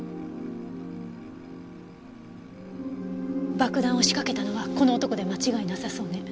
爆弾を仕掛けたのはこの男で間違いなさそうね。